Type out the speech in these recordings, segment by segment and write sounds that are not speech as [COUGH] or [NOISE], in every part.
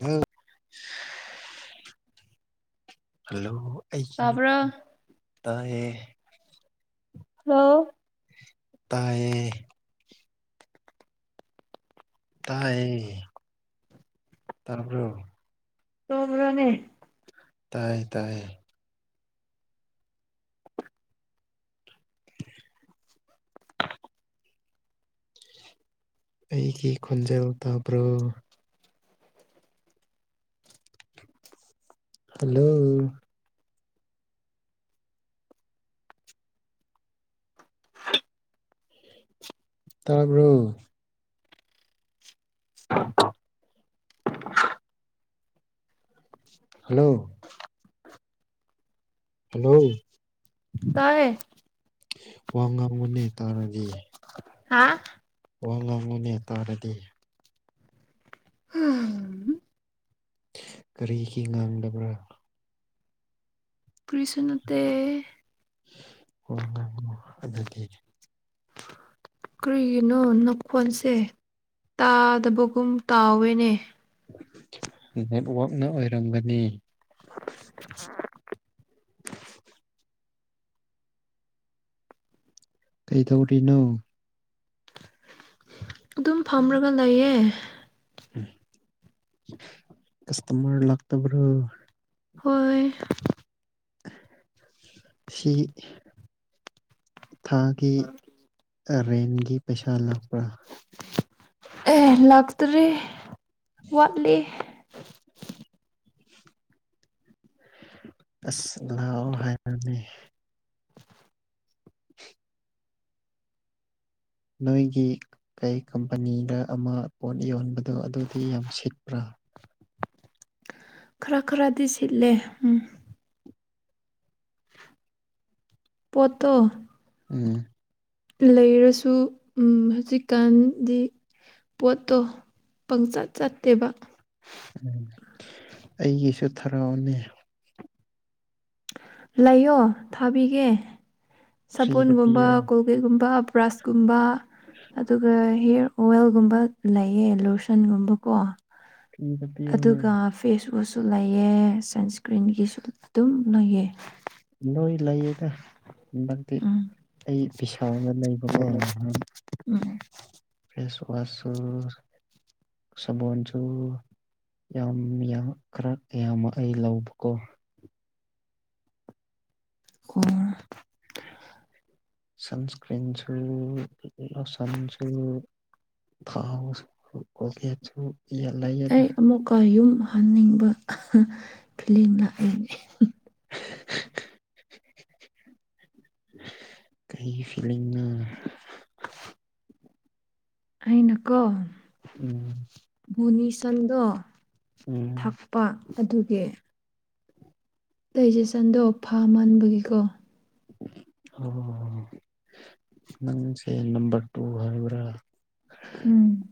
ꯑ ꯍꯜꯂꯣ ꯑꯩꯒꯤꯅ ꯇꯥꯕ꯭ꯔ ꯇꯌꯦ ꯍꯜꯂꯣ ꯇꯌꯦ ꯇꯥꯏꯌꯦ ꯇꯔ ꯄ꯭ꯔ ꯇꯣꯔꯅꯦ ꯇꯥꯏꯌꯦ ꯇꯥꯏꯌꯦ ꯎ ꯑꯩꯒꯤ ꯈꯣꯟꯖꯦꯜ ꯇꯥꯕ꯭ꯔꯣ ꯍꯜꯂꯣ ꯇꯥꯕ꯭ꯔꯣ ꯍꯜꯂꯣ ꯍꯜꯂꯣ ꯇꯥꯏꯦ ꯋꯥ ꯉꯥꯡꯒꯨꯅꯦ ꯇꯥꯔꯗꯤ ꯍꯥ ꯋꯥ ꯉꯥꯡꯉꯨꯅꯦ ꯍꯥꯏꯇꯥꯥꯔꯗꯤ ꯍ ꯀꯔꯤꯒꯤ ꯉꯥꯡꯂꯕ꯭ꯔꯥ ꯀ꯭ꯔꯤꯁꯨꯅꯠꯇ ꯍ ꯍ ꯑꯣ ꯑꯗꯨꯗꯒꯤ ꯀꯔꯤꯒꯤꯅꯣ ꯅꯈꯣꯟꯁꯦ ꯇꯥꯗꯕꯒꯨꯝ ꯇꯥꯎꯋꯦꯅꯦ ꯅꯦꯠꯋꯥꯛꯅ ꯑꯣꯏꯔꯝꯒꯅꯤ [INAUDIBLE] [INAUDIBLE] ꯀꯩ ꯊꯧ ꯇꯅꯣ ꯑꯗꯨꯝ ꯐꯝꯔꯒ ꯂꯩꯌꯦ ꯀꯁꯇꯃꯔ ꯂꯥꯛꯇꯕ꯭ꯔꯣ ꯍꯣ ꯏ ꯁꯤ ꯊꯥꯡ ꯒꯤ ꯇ꯭ꯔꯦꯟꯒꯤ ꯄꯩꯁꯥꯜꯂꯄ꯭ꯔꯥ ꯑꯦ ꯂꯥꯛꯇꯔꯤ ꯋꯥꯠꯂꯤ [INAUDIBLE] [INAUDIBLE] ꯑꯁ ꯂꯥꯎ ꯍꯥꯏ ꯅꯦꯃꯤ [INAUDIBLE] ꯅꯣꯏꯒꯤ ꯀꯩ ꯀꯝꯄꯅꯤꯗ ꯑꯃ ꯄꯣꯠ ꯌꯣꯟꯕꯗꯣ ꯑꯗꯨꯗꯤ ꯌꯥꯝ ꯁꯤꯠꯄ꯭ꯔꯥ ꯈꯔ ꯈꯔꯗꯤ ꯁꯤꯠꯂꯦ ꯎꯝ ꯄꯣꯠꯇꯣ ꯎꯝ ꯂꯩꯔꯁꯨ ꯎꯝ ꯍꯧꯖꯤꯛꯀꯥꯟꯗꯤ ꯄꯣꯠꯇꯣ ꯄꯪꯆꯠ ꯆꯠꯇꯦꯕ ꯑꯩꯒꯤꯁꯨ ꯊꯔꯛꯑꯣꯅꯦ ꯂꯩꯌꯣ ꯊꯥꯕꯤꯒꯦ ꯐ꯭ꯔꯤꯗ ꯁꯕꯨꯟꯒꯨꯝꯕ ꯄꯤꯌꯣ ꯀꯣꯜꯒꯦꯠꯒꯨꯝꯕ ꯕ꯭ꯔꯁ ꯀꯨꯝꯕ ꯑꯗꯨꯒ ꯍꯤꯌꯥꯔ ꯋꯦꯜꯒꯨꯝꯕ ꯂꯩꯌꯦ ꯂꯣꯁꯟꯒꯨꯝꯕꯀꯣ ꯐ꯭ꯔꯤꯗ ꯄꯤꯌꯣꯅꯦ ꯑꯗꯨꯒ ꯐꯦꯁꯋꯁ ꯂꯩꯌꯦ ꯁꯟꯁꯀ꯭ꯔꯤꯟꯒꯤꯁꯨ ꯑꯗꯨꯝ ꯅꯣꯏꯌꯦ ꯂꯣꯏ ꯂꯩꯌꯦꯗ ꯍꯟꯗꯛꯇꯤ ꯎꯝ ꯑꯩ ꯄꯤꯁꯥꯒ ꯂꯩꯕꯀꯣ ꯅꯍꯥꯟ ꯎꯝ ꯐꯦꯁ ꯋꯁꯁꯨ ꯁꯕꯣꯟꯁꯨ ꯌꯥꯝ ꯌꯥꯝ ꯈꯔ ꯌꯥꯝꯃ ꯑꯩ ꯂꯧꯕꯀꯣ ꯀꯣꯔ ꯁꯟꯁꯀ꯭ꯔꯤꯟꯁꯨ ꯂꯣꯁꯟꯁꯨ ꯊꯥꯎ ꯀꯣꯜꯒꯦꯠꯁꯨ ꯂꯩꯌꯦꯗ ꯑꯩ ꯑꯃꯨꯛ ꯀ ꯌꯨꯝ ꯍꯟꯅꯤꯡꯕ [INAUDIBLE] ꯐ꯭ꯤꯂꯤꯡ ꯂꯥꯛꯑꯦꯅꯦ [INAUDIBLE] ꯀꯩ [UNINTELLIGIBLE] ꯐꯤꯂꯤꯡ ꯅꯣ ꯑꯩꯅ ꯀꯣ ꯎꯝ ꯃꯨꯟꯅꯤꯁꯟꯗꯣ ꯎꯝ ꯊꯛꯄ ꯑꯗꯨꯒꯤ ꯗꯥꯏꯖꯦꯁꯟꯗꯣ ꯐꯃꯟꯕꯒꯤꯀꯣ [UNINTELLIGIBLE] ꯍꯣ ꯅꯪꯁꯦ ꯅꯝꯕꯔ ꯇꯨ ꯍꯥꯏꯌꯨꯔꯥ ꯎꯝ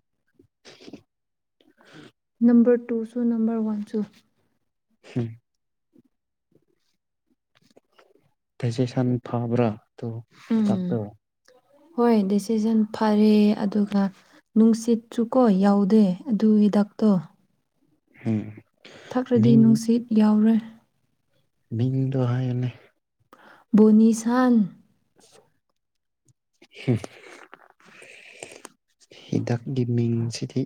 [INAUDIBLE] ꯎꯝꯕꯔ ꯇꯨꯁꯨ ꯅꯝꯕꯔ ꯋꯟꯁꯨ [UNINTELLIGIBLE] ꯐꯦꯁꯦꯁꯟ ꯐꯕ꯭ꯔꯥ ꯇꯣ ꯇꯥꯛ ꯎꯝ ꯇꯣ ꯍꯣꯏ ꯗꯤꯁꯤꯖꯟ ꯐꯔꯦ ꯑꯗꯨꯒ ꯅꯨꯡꯁꯤꯠꯁꯨꯀꯣ ꯌꯥꯎꯗꯦ ꯑꯗꯨ ꯍꯤꯗꯛꯇꯣ ꯎꯝ ꯊꯛꯈ꯭ꯔꯗꯤ ꯃꯤꯡ ꯅꯨꯡꯁꯤꯠ ꯌꯥꯎ ꯔꯦ ꯃꯤꯡꯗꯣ ꯍꯥꯏꯌꯣꯅꯦ ꯕꯨꯅꯤꯁꯟ [INAUDIBLE] ꯍꯤꯗꯥꯛꯒꯤ ꯃꯤꯡꯁꯤꯗꯤ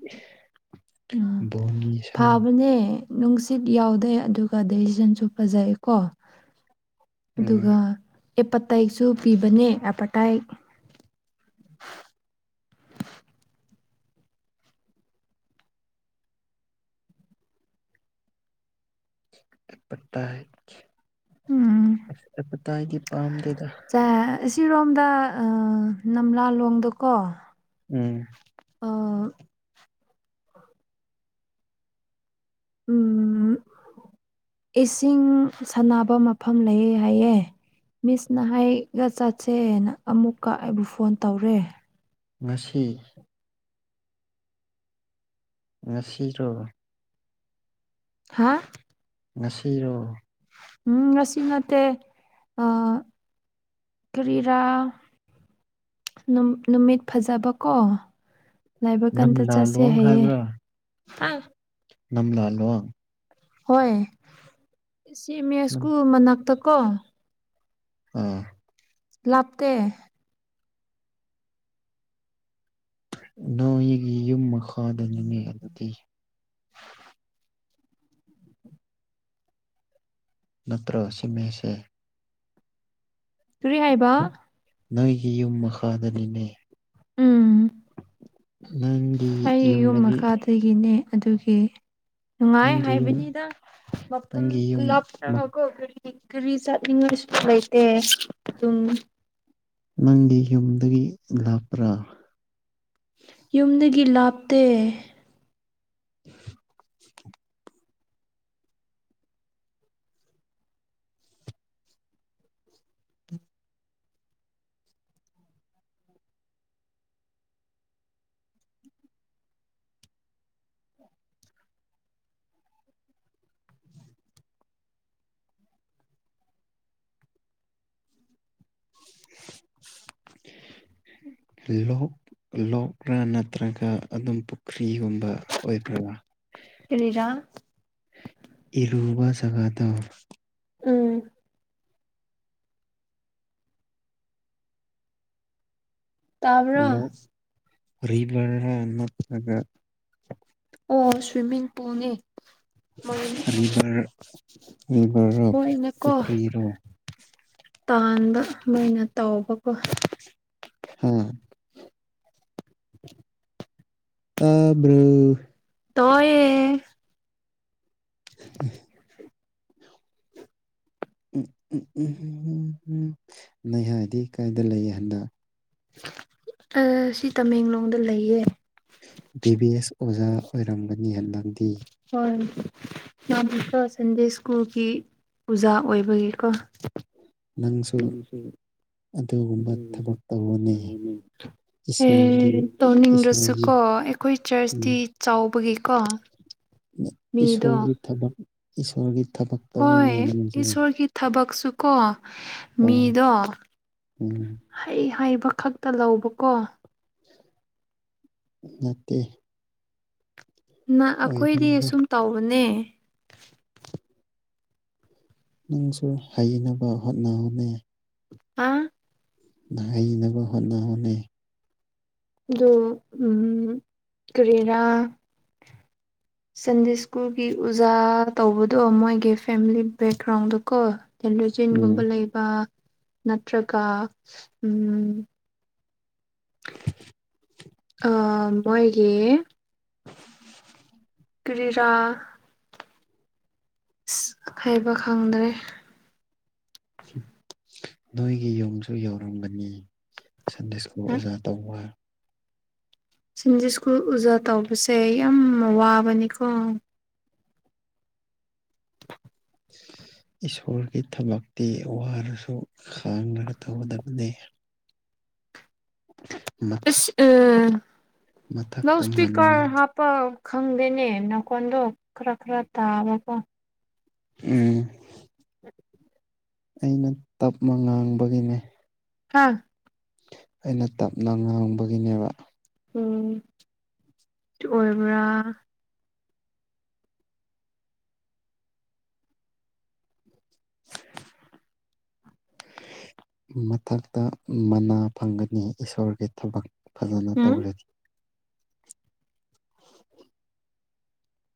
ꯎꯝ ꯕꯣꯅꯤꯁꯟ ꯐꯕꯅꯦ ꯅꯨꯡꯁꯤꯠ ꯌꯥꯎꯗꯦ ꯑꯗꯨꯒ ꯗꯦꯁꯤꯖꯟꯁꯨ ꯐꯖꯩꯀꯣ ꯎꯝ ꯑꯗꯨꯒ ꯑꯦꯄꯥꯇꯥꯏꯁꯨ ꯄꯤꯕꯅꯦ ꯑꯦꯄꯇꯥꯏ ꯑꯦꯄꯠꯇꯥꯏꯠ ꯍꯥꯏ [UNINTELLIGIBLE] ꯀꯥꯏꯒꯤ ꯄꯥꯝꯗꯦ ꯆ ꯁꯤꯔꯣꯝꯗ ꯅꯝꯂꯥꯂꯣꯡꯗꯀꯣ ꯎꯝ ꯑ ꯎꯝ ꯏꯁꯤꯡ ꯁꯥꯟꯅꯕ ꯃꯐꯝ ꯂꯩ ꯍꯥꯏꯌꯦ ꯃꯤꯁꯅ ꯍꯥꯏꯒ ꯆꯠꯁꯦꯅ ꯑꯃꯨꯛꯀ ꯑꯩꯕꯨ ꯐꯣꯟ ꯇꯧꯔꯦ ꯉꯁꯤ ꯉꯁꯤꯔꯣ ꯍꯥ ꯉꯁꯤꯔꯣ ꯎꯝ ꯉꯁꯤ ꯅꯠꯇꯦ ꯑ ꯀꯔꯤꯔꯥ ꯅꯨꯃꯤꯠ ꯐꯖꯕꯀꯣ ꯂꯩꯕ ꯀꯥꯟꯗ ꯆꯠꯁꯦ ꯅꯝꯂꯥꯂꯣꯡ ꯍꯥꯏꯌꯦ ꯍꯥꯏꯕ꯭ꯔꯥ ꯅꯝꯂꯥꯂꯣꯡ ꯍꯣꯏ ꯁꯤ ꯃ ꯅꯝ ꯁꯀꯨꯜ ꯃꯅꯥꯛꯇꯛ ꯀꯣ ꯑꯥ ꯂꯥꯞꯇꯦ ꯅꯣꯏꯒꯤ ꯌꯨꯝ ꯐꯗꯅꯤꯡꯉ ꯑꯗꯨꯗꯤ ꯅꯠꯇ꯭ꯔꯣ ꯁꯤꯃꯦꯁꯦ ꯀꯔꯤ ꯍꯥꯏꯕ ꯅꯪꯒꯤ ꯌꯨꯝ ꯃꯈꯥꯗꯅꯤꯅꯦ ꯎꯝ ꯅꯪꯒꯤ ꯑꯩ ꯌꯨꯝ ꯌꯨꯝꯗꯒꯤ ꯃꯈꯥꯗꯒꯤꯅꯦ ꯑꯗꯨꯒꯤ ꯅꯨꯡꯉꯥꯏ ꯅꯪꯒꯤ ꯌꯨꯝ ꯍꯥꯏꯕꯅꯤꯗ ꯃꯐꯝ ꯅꯪꯒꯤ ꯌꯨꯝ ꯂꯥꯞꯀꯣ ꯀ ꯀꯔꯤ ꯆꯠꯅꯤꯡꯉꯥꯏꯁꯨ ꯂꯩꯇꯦ ꯑꯗꯨꯝ ꯅꯪꯒꯤ ꯌꯨꯝꯗꯒꯤ ꯂꯥꯞꯄ꯭ꯔꯥ ꯌꯨꯝꯗꯒꯤ ꯂꯥꯞꯇꯦ [UNINTELLIGIBLE] ꯂꯣꯛ ꯂꯣꯛꯇ ꯅꯠꯇ꯭ꯔꯒ ꯑꯗꯨꯝ ꯄꯨꯈ꯭ꯔꯤ ꯈꯔ꯭ꯤꯒꯨꯝꯕ ꯑꯣꯏꯕ꯭ꯔ ꯀꯔꯤꯔꯥ ꯏꯔꯨꯕ ꯆꯒꯥꯗꯣ ꯎꯝ ꯇꯥꯕ꯭ꯔ ꯔꯤꯕꯔ ꯔꯥ ꯅꯠꯇꯔꯒꯥ ꯑꯣ ꯁ꯭ꯋꯤꯝꯃꯤꯡ ꯄꯨꯜꯅꯤ ꯃꯣꯏ ꯔꯤꯕꯔ ꯔꯤꯕꯔꯔꯣ ꯃꯣꯏꯅꯀꯣ ꯄꯨꯈ꯭ꯔꯤꯔꯣ ꯇꯥꯟꯕ ꯃꯣꯏꯅ ꯇꯥꯎꯕꯀꯣ ꯍꯝ ꯇꯥꯕ꯭ꯔꯣ ꯇꯑꯣꯌꯦ [INAUDIBLE] ꯎꯝ ꯎꯝ ꯎꯝ ꯎ ꯎ ꯎ ꯅꯩꯍꯥꯗꯤ ꯀꯥꯏꯗ ꯂꯩ ꯍꯟꯗꯛ ꯑ ꯁꯤ ꯇꯃꯦꯡꯂꯣꯡꯗ ꯂꯩꯌꯦ ꯕꯤ ꯕꯤ ꯑꯦꯁ ꯑꯣꯖꯥ ꯑꯣꯏꯔꯝꯕꯅꯤ ꯍꯟꯗꯛ ꯍꯣꯏ ꯌꯥꯝ ꯍꯀ ꯁꯟꯗꯦ ꯁ꯭ꯀꯨꯜꯒꯤ ꯄꯨꯖꯥ ꯑꯣꯏꯕꯒꯤꯀꯣ ꯅꯪꯁꯨ ꯎꯝꯁ ꯑꯗꯨꯒꯨꯝꯕ ꯊꯕꯛ ꯇꯧꯑꯣꯅꯦ [UNINTELLIGIBLE] ꯏꯁꯣꯔꯒꯤ ꯑꯦ ꯏꯁꯣꯔꯒꯤ ꯇꯧꯅꯤꯡꯗ꯭ꯔꯁꯨꯀꯣ ꯑꯩꯈꯣꯏ ꯆꯔꯆꯇꯤ ꯎꯝ ꯆꯥꯎꯕꯒꯤ ꯀꯣ ꯏꯁꯣꯔꯒꯤ ꯊꯕꯛ ꯏꯁꯣꯔꯒꯤ ꯊꯕꯛ ꯍꯣꯏ ꯇꯧꯕꯅꯦ ꯅꯪꯁꯨ ꯏꯁꯣꯔꯒꯤ ꯊꯕꯛꯁꯨꯀꯣ ꯑꯣ ꯃꯤꯗꯣ ꯎꯝ ꯍꯩ ꯍꯥꯏ ꯀ ꯈꯛꯇ ꯂꯧꯕꯀꯣ ꯅꯠꯇꯦ ꯅ ꯑꯈꯣꯏꯗꯤ ꯑꯣꯏꯔꯝꯔꯣꯏ ꯁꯨꯝ ꯇꯧꯕꯅꯦ ꯅꯪꯁꯨ ꯍꯩꯅꯕ ꯍꯣꯠꯅꯍꯧꯅꯦ ꯑꯥ ꯍꯩꯅꯕ ꯍꯣꯠꯅꯧꯍꯧꯅꯦ ꯑꯗꯨ ꯎꯝ ꯀꯔꯤꯔꯥ ꯁꯟꯗꯦ ꯁ꯭ꯀꯨꯜꯒꯤ ꯎꯖꯥ ꯇꯧꯕꯗꯣ ꯃꯣꯏꯒꯤ ꯐꯦꯃꯤꯂꯤ ꯕꯦꯛꯒ꯭ꯔꯥꯎꯟꯗꯣꯀꯣ ꯇꯦꯂꯨꯖꯤꯟ ꯒꯨꯝꯕ ꯎꯝ ꯂꯩꯕ ꯅꯠꯇ꯭ꯔꯒ ꯎꯝ [INAUDIBLE] ꯑ ꯃꯣꯏꯒꯤ ꯀꯔꯤꯔꯥ ꯏꯁ ꯍꯥꯏꯕ ꯈꯪꯗ꯭ꯔꯦ ꯅꯣꯏꯒꯤ ꯌꯨꯝꯁꯨ ꯌꯧꯔꯝꯒꯅꯤ ꯁꯟꯗꯦꯁꯀ ꯑꯣꯖꯥ ꯇꯧꯋꯥ ꯁꯤꯟꯖꯨ ꯁ꯭ꯀꯨꯜ ꯎꯖꯥ ꯇꯧꯕꯁꯦ ꯌꯥꯝ ꯋꯥꯕꯅꯤꯀꯣ ꯏꯁꯣꯔꯒꯤ ꯊꯕꯛꯇꯤ ꯋꯥꯔꯁꯨ ꯈꯥꯡꯔꯒ ꯇꯧꯒꯗꯕꯅꯦ ꯑꯁ ꯎꯝ ꯂꯥꯎꯠ ꯃꯊꯛꯇ ꯃꯅꯥ ꯁꯄꯤꯀꯔ ꯍꯥꯄꯥꯎ ꯈꯪꯗꯦꯅꯦ ꯅꯈꯣꯟꯗꯣ ꯈꯔ ꯈꯔ ꯇꯥꯕꯀꯣ ꯎꯝ ꯑꯩꯅ ꯇꯞꯃ ꯉꯥꯡꯕꯒꯤꯅꯦ ꯍꯥ ꯑꯩꯅ ꯇꯞꯅ ꯉꯥꯡꯕꯒꯤꯅꯦꯕ ꯎꯝ ꯇꯨ ꯑꯣꯏꯕ꯭ꯔꯥ ꯃꯊꯛꯇ ꯃꯅꯥ ꯐꯪꯒꯅꯤ ꯏꯁꯣꯔꯒꯤ ꯊꯕꯛ ꯐꯖꯅ ꯎꯝ ꯇꯧꯔꯗꯤ [INAUDIBLE]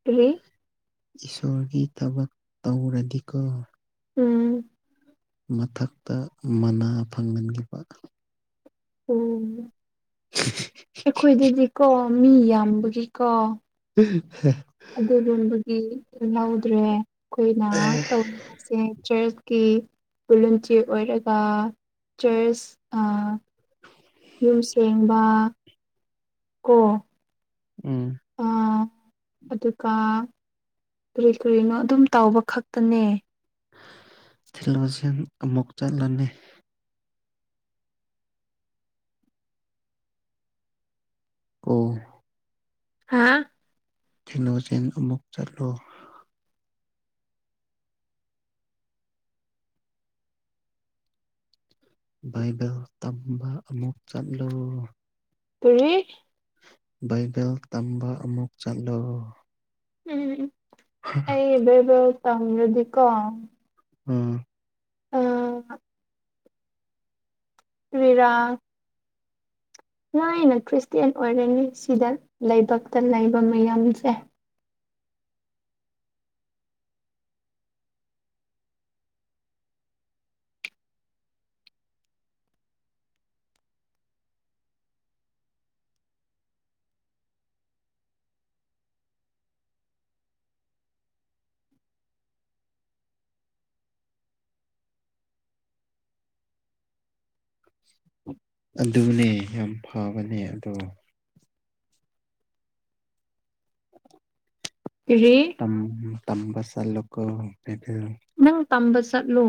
ꯀ꯭ꯔꯤ ꯏꯁꯣꯔꯒꯤ ꯊꯕꯛ ꯇꯧꯔꯗꯤꯀꯣ ꯎꯝ ꯃꯊꯛꯇ ꯃꯅꯥ ꯐꯪꯍꯟꯈꯤꯕ ꯎꯝ ꯑꯩꯈꯣꯏꯗꯗꯤ ꯀꯣ ꯃꯤ ꯌꯥꯝꯕꯒꯤ ꯀꯣ ꯍꯦ [UNINTELLIGIBLE] ꯑꯩꯈꯣꯏꯅ ꯇꯧꯔꯤꯁꯦ [INAUDIBLE] ꯀꯤ ꯄꯨꯂꯟꯆꯦ ꯑꯣꯏꯔꯒ ꯆꯔꯆ ꯑꯥ ꯌꯨꯝ ꯁꯦꯡꯕ ꯀꯣ ꯎꯝ ꯑꯗꯨꯒ ꯀ꯭ꯔꯤ ꯀ꯭ꯔꯤꯅꯣ ꯑꯗꯨꯝ ꯇꯧꯕ ꯈꯛꯇꯅꯦ ꯊꯤꯜꯂꯨꯁꯤꯟ ꯑꯃꯨꯛ ꯆꯠꯂꯅꯤ ꯀꯣ ꯍꯥꯥ ꯅꯣꯆꯦꯟ ꯑꯃꯨꯛ ꯆꯠꯂꯣ ꯕꯥꯏꯕꯦꯜ ꯇꯝꯕ ꯑꯃꯨꯛ ꯆꯠꯂꯨ ꯀꯔꯤ ꯕꯥꯏꯕꯦꯜ ꯇꯝꯕ ꯑꯃꯨꯛ ꯆꯠꯂꯣ ꯎꯝꯎꯝ ꯑꯩꯕꯩꯕꯜ [INAUDIBLE] ꯑꯝ ꯑ [UNINTELLIGIBLE] ꯅꯣꯏꯅꯥ ꯈ꯭ꯔꯤꯁꯇꯌꯥꯟ ꯑꯣꯏꯔꯅꯤ ꯁꯤꯗ ꯂꯩꯥꯏꯕꯛꯇ ꯂꯩꯕ ꯃꯌꯥꯝꯁꯦ꯫ ꯑꯗꯨꯅꯦ ꯌꯥꯝ ꯐꯕꯅꯦ ꯑꯗꯣ ꯀꯔꯤ ꯇꯝ ꯇꯝꯕꯆꯜꯂꯨꯀꯣ [UNINTELLIGIBLE] [INAUDIBLE] ꯅꯪ ꯇꯝꯕ ꯆꯠꯂꯨ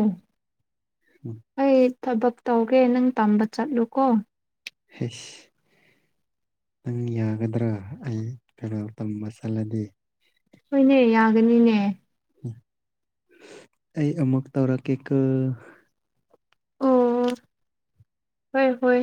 ꯑꯩ ꯊꯕꯛ ꯇꯧꯒꯦ ꯅꯪ ꯇꯝꯕ ꯆꯠꯂꯨꯀꯣ ꯍꯁ ꯅꯪ ꯌꯥꯒꯗ꯭ꯔꯥ ꯑꯩ ꯀꯩꯅꯣ ꯇꯝꯕ ꯆꯠꯂꯗꯤ ꯍꯣꯏꯅꯦ ꯌꯥꯒꯅꯤꯅꯦ ꯑꯩ ꯑꯃꯨꯛ ꯇꯧꯔꯛꯀꯦꯀ ꯑꯣ ꯍꯣꯏ ꯍꯣꯏ